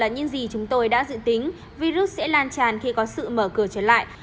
nhưng gì chúng tôi đã dự tính virus sẽ lan tràn khi có sự mở cửa trở lại